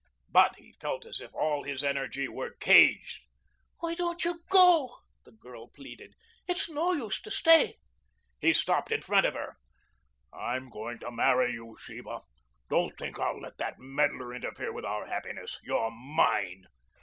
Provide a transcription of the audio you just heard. But he felt as if all his energy were caged. "Why don't you go?" the girl pleaded. "It's no use to stay." He stopped in front of her. "I'm going to marry you, Sheba. Don't think I'll let that meddler interfere with our happiness. You're mine."